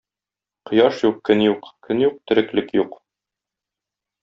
Кояш юк — көн юк, көн юк — тереклек юк.